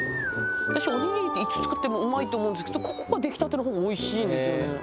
私おにぎりっていつ作ってもうまいって思うんですけどここは出来たての方がおいしいんですよね。